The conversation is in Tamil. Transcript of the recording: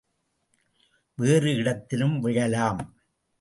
வேறு இடத்திலும் விழலாம்.